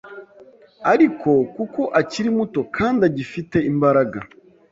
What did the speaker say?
ariko kuko akiri muto kandi agifite imbaraga